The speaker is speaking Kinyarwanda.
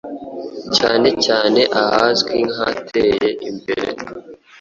cyane cyane ahazwi nk’ahateye imbere